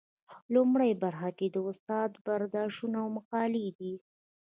لومړۍ برخه کې د استاد برداشتونه او مقالې دي.